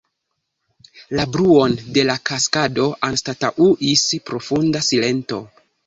La bruon de la kaskado anstataŭis profunda silento.